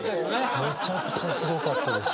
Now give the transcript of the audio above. めちゃくちゃすごかったです。